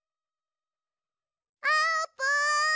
あーぷん！